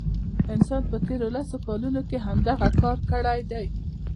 انسان په تیرو لسو کلونو کې همدغه کار کړی دی.